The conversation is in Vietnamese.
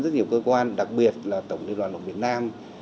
rất nhiều cơ quan đặc biệt là tổng liên hoàn lộc việt nam